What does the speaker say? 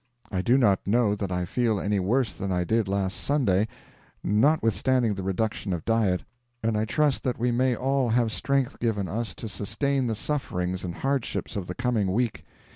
I do not know that I feel any worse than I did last Sunday, notwithstanding the reduction of diet; and I trust that we may all have strength given us to sustain the sufferings and hardships of the coming week.